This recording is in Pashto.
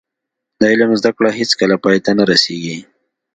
د علم زده کړه هیڅکله پای ته نه رسیږي.